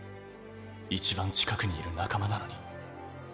いちばん近くにいる仲間なのに。